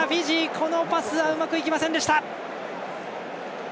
このパスはうまくいきませんでした。